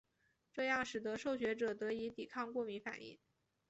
这样使得受血者得以抵抗过敏反应。